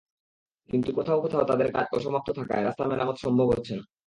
কিন্তু কোথাও কোথাও তাদের কাজ অসমাপ্ত থাকায় রাস্তা মেরামত সম্ভব হচ্ছে না।